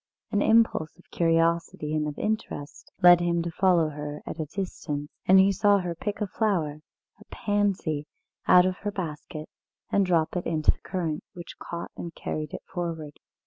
An impulse of curiosity and of interest led him to follow her at a distance, and he saw her pick a flower, a pansy, out of her basket, and drop it into the current, which caught and carried it forward.